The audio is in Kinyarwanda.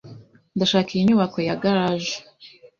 Ndashaka iyi nyubako ya garage.